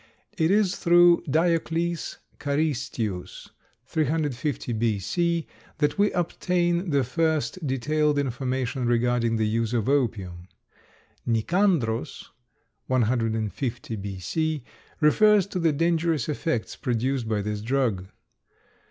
It is through Diocles Karystius (350 B. C.) that we obtain the first detailed information regarding the use of opium. Nicandros (150 B. C.) refers to the dangerous effects produced by this drug.